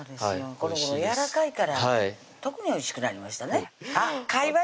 このごろやわらかいから特においしくなりましたねあっ！